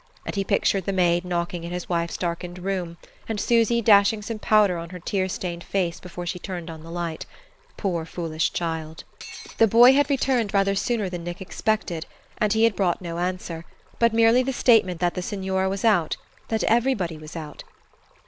And he pictured the maid knocking at his wife's darkened room, and Susy dashing some powder on her tear stained face before she turned on the light poor foolish child! The boy had returned rather sooner than Nick expected, and he had brought no answer, but merely the statement that the signora was out: that everybody was out.